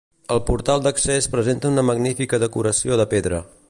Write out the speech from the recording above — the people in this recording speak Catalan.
El portal d'accés presenta una magnífica decoració de pedra.